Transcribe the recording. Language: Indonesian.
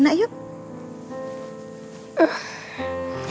budak budak kami punya